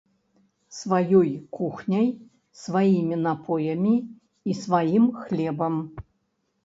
Сваёй кухняй, сваімі напоямі, і сваім хлебам.